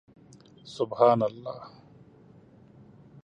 سبحان الله